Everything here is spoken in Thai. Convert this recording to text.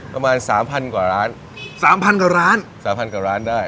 ประมาณ๓๐๐๐กว่าร้าน๓๐๐๐กว่าร้าน๓๐๐๐กว่าร้านได้